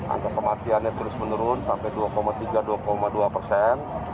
angka kematiannya terus menurun sampai dua tiga dua persen